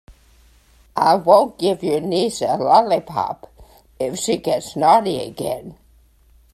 I won't give your niece a lollipop if she gets naughty again.